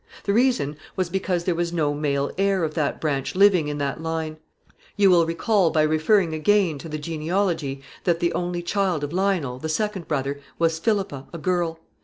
The reason was because there was no male heir of that branch living in that line. You will see by referring again to the table that the only child of Lionel, the second brother, was Philippa, a girl.